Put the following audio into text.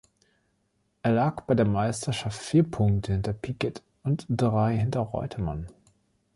Er lag bei der Meisterschaft vier Punkte hinter Piquet und drei hinter Reutemann.